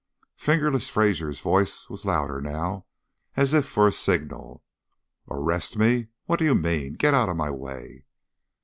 "Fingerless" Fraser's voice was louder now, as if for a signal. "Arrest me? What do you mean? Get out of my way."